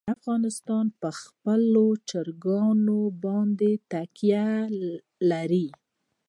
افغانستان په خپلو چرګانو باندې تکیه لري.